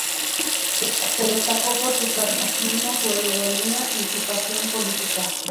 Se destacó por su casticismo, su ironía y su pasión política.